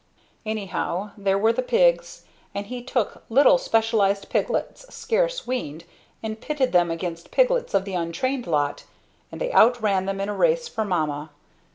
Anyhow, there were the pigs; and he took little specialized piglets scarce weaned, and pitted them against piglets of the untrained lot and they outran them in a race for "Mama."